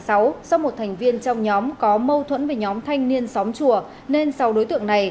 sau một thành viên trong nhóm có mâu thuẫn với nhóm thanh niên xóm chùa nên sáu đối tượng này